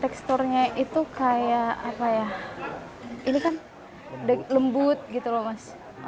teksturnya itu kayak apa ya ini kan lembut gitu loh mas